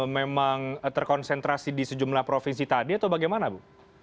memang terkonsentrasi di sejumlah provinsi tadi atau bagaimana bu